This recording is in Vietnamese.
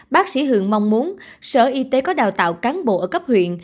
bác sĩ hường mong muốn sở y tế có đào tạo cán bộ ở cấp huyện